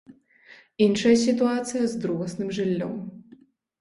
Іншая сітуацыя з другасным жыллём.